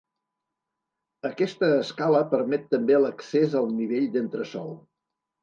Aquesta escala permet també l'accés al nivell d'entresòl.